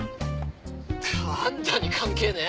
あんたに関係ねえ。